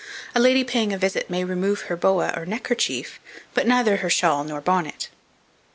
A lady paying a visit may remove her boa or neckerchief; but neither her shawl nor bonnet.